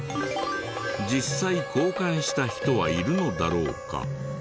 実際交換した人はいるのだろうか？